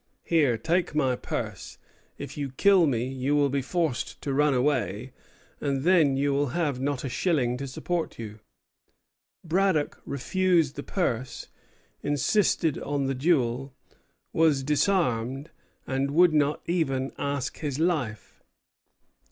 Here, take my purse; if you kill me, you will be forced to run away, and then you will not have a shilling to support you.' Braddock refused the purse, insisted on the duel, was disarmed, and would not even ask his life.